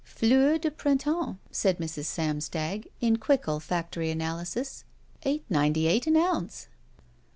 '*Fleur de printemps'* said Mrs. Samstag, in quick olfactory analysis. "Eight ninety eight an ounce."